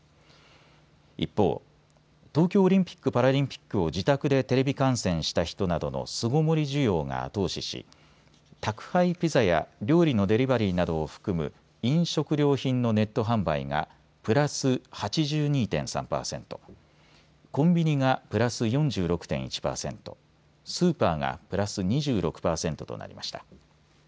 一方、東京オリンピック・パラリンピックを自宅でテレビ観戦した人などの巣ごもり需要が後押しし宅配ピザや料理のデリバリーなどを含む飲食料品のネット販売がプラス８２．３％、コンビニがプラス４６．１％、スーパーがプラス２６％となりました。